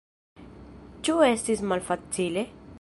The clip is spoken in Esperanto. Ĉu estis malfacile?